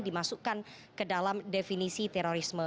dimasukkan ke dalam definisi terorisme